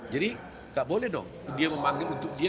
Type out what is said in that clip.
jadi tidak boleh dong dia memanggil untuk dia